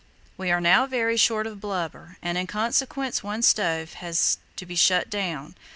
"We are now very short of blubber, and in consequence one stove has to be shut down.